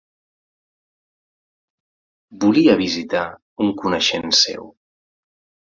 Volia visitar un coneixent seu.